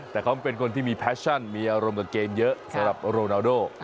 แต่เขาเป็นคนที่มีแฟชั่นมีอารมณ์กับเกมเยอะสำหรับโรนาโด